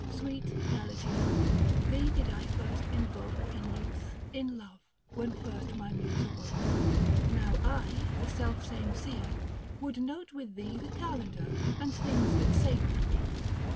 Sweet Elegy — thee did I first inyoke In youth, in love, when first my muse awoke ; Now I, the self same seer, would note with thee The calendar, and things that sacred be.